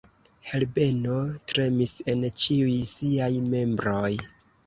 Herbeno tremis en ĉiuj siaj membroj.